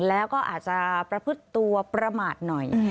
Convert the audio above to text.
แล้วก็อาจจะประพฤติตัวประมาทหน่อย